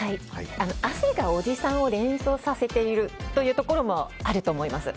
汗がおじさんを連想させているというところもあると思います。